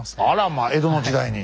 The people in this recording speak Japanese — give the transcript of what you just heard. まあ江戸の時代に。